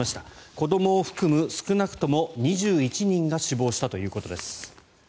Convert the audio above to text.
子どもを含む少なくとも２１人が死亡したということです。